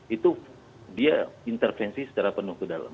itu dia intervensi secara penuh ke dalam